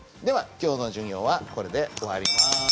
では今日の授業はこれで終わります。